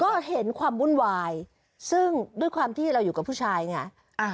ก็เห็นความวุ่นวายซึ่งด้วยความที่เราอยู่กับผู้ชายไง